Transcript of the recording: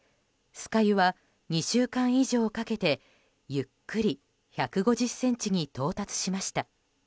酸ヶ湯は２週間以上かけてゆっくり１５０ｃｍに到達しました。